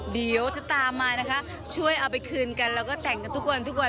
เดี๋ยวจะตามมานะคะช่วยเอาไปคืนกันแล้วก็แต่งกันทุกวันทุกวัน